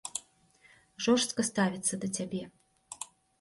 Жорстка ставіцца да цябе.